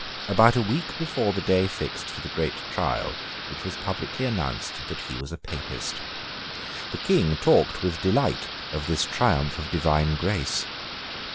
About a week before the day fixed for the great trial, it was publicly announced that he was a Papist. The King talked with delight of this triumph of divine grace.